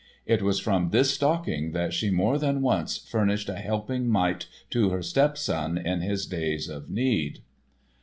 It was from this stocking that she more than once furnished a helping mite to her stepson in his days of need.